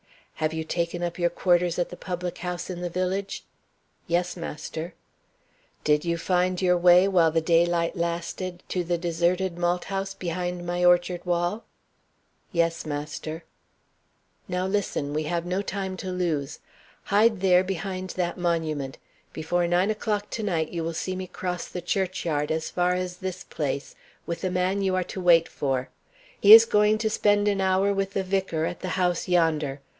"Have you taken up your quarters at the public house in the village?" "Yes, master." "Did you find your way, while the daylight lasted, to the deserted malt house behind my orchard wall?" "Yes, master." "Now listen we have no time to lose. Hide there, behind that monument. Before nine o'clock to night you will see me cross the churchyard, as far as this place, with the man you are to wait for. He is going to spend an hour with the vicar, at the house yonder.